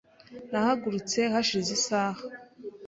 Nahagurutse hashize isaha .